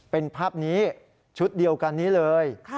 เป็นภาพนี้ชุดเดียวกันนี้เลย